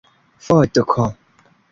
vodko